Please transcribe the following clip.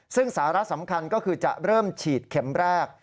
ซึ่งสาระสำคัญก็คือจะเริ่มฉีดเข็มแรก